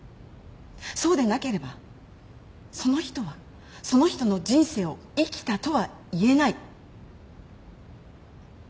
そうでなければその人はその人の人生を生きたとは言えない。